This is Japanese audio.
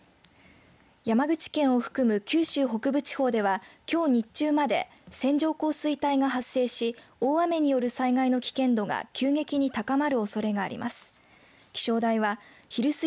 山口県を含む、九州北部地方ではきょう日中まで線状降水帯が発生し大雨による災害の危険度が急激に高まるおそれがあります。